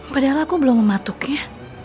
padahal aku belum mematuknya